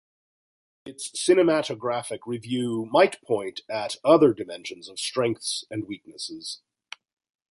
Its cinematographic review might point at other dimensions of strengths and weaknesses.